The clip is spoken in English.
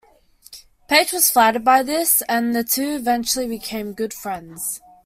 Page was flattered by this and the two eventually became good friends.